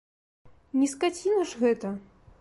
Не скаціна ж гэта.